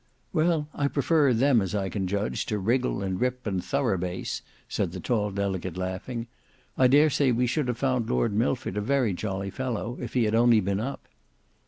"Well, I prefer them, as far as I can judge, to Wriggle, and Rip, and Thorough Base," said the tall delegate laughing. "I dare say we should have found Lord Milford a very jolly fellow, if he had only been up."